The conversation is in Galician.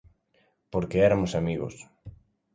Porque eramos amigos.